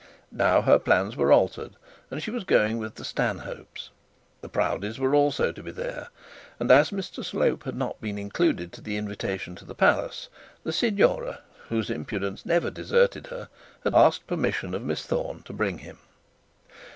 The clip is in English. Now her plans were altered, and she was going with the Stanhopes. The Proudies were also to be there; and as Mr Slope had not been included in the invitation to the palace, the signora, whose impudence never deserted her, asked permission of Miss Thorne to bring him.